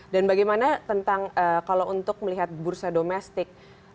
dan bagaimana kalau untuk melihat bursa domestik